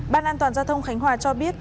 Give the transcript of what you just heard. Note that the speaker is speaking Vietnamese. ban an toàn giao thông khánh hòa cho biết